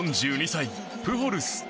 ４２歳、プホルス。